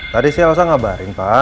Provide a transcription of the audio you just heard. tadi sih elsa ngabarin pak